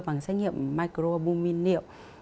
bằng xét nghiệm microbumin niệu